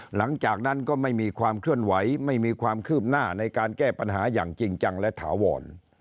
หลังจากนั้นก็ไม่มีความเคลื่อนไหวไม่มีความคืบหน้าในการแก้ปัญหาอย่างจริงจังและถาวร